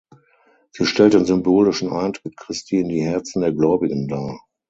Sie stellt den symbolischen Eintritt Christi in die Herzen der Gläubigen dar.